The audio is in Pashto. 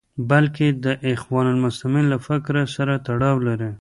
بلکې د اخوان المسلمین له فکر سره تړاو لري.